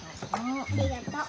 ありがとう。